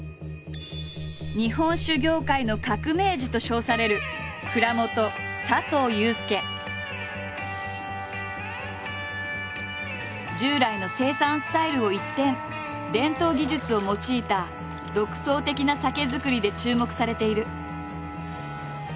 日本酒業界の革命児と称される従来の生産スタイルを一転伝統技術を用いた独創的な酒造りで注目されている。